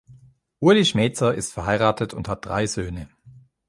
Ueli Schmezer ist verheiratet und hat drei Söhne.